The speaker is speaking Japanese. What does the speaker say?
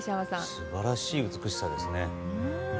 素晴らしい美しさですね。